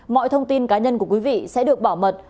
mọi thông tin cá nhân của quý vị sẽ được bảo mật